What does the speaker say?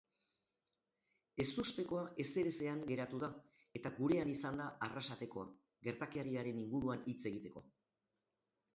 Ezustekoa ezerezean geratu da eta gurean izan da arrasatekoa gertakariaren inguruan hitz egiteko.